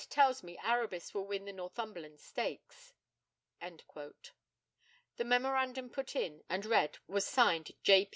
tells me Arabis will win the Northumberland Stakes." The memorandum put in and read was signed J.